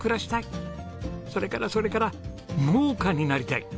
それからそれから「農家になりたい！」。